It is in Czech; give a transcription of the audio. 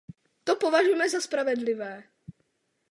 To považujeme za spravedlivé.